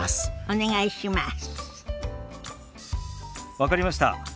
分かりました。